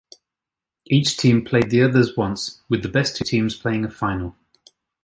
Each team played the others once, with the best two teams playing a final.